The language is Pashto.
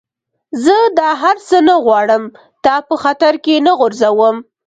زه دا هر څه نه غواړم، تا په خطر کي نه غورځوم.